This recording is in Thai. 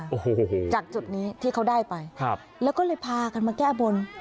โอ้โหจากจุดนี้ที่เขาได้ไปครับแล้วก็เลยพากันมาแก้บน